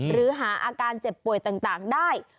หรือหาอาการเจ็บป่วยต่างได้